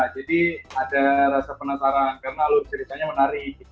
jadi ada rasa penasaran karena ceritanya menarik